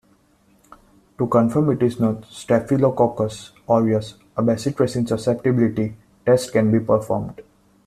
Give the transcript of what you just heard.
To confirm it is not "Staphylococcus aureus", a bacitracin susceptibility test can be performed.